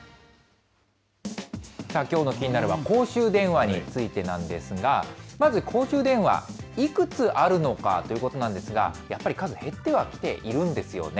きょうのキニナルは、公衆電話についてなんですが、まず公衆電話、いくつあるのかということなんですが、やっぱり数、減ってはきているんですよね。